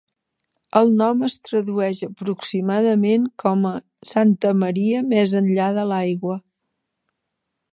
El nom es tradueix aproximadament com a "Santa Maria més enllà de l'aigua".